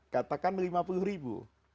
katakan lima puluh ribu